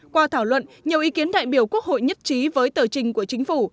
qua thảo luận nhiều ý kiến đại biểu quốc hội nhất trí với tờ trình của chính phủ